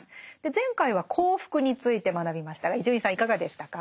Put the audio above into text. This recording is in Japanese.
前回は幸福について学びましたが伊集院さんいかがでしたか？